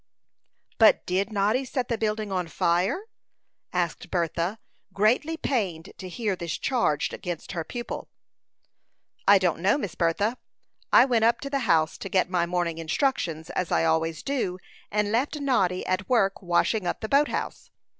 "But did Noddy set the building on fire?" asked Bertha, greatly pained to hear this charge against her pupil. "I don't know, Miss Bertha. I went up to the house to get my morning instructions, as I always do, and left Noddy at work washing up the boat house.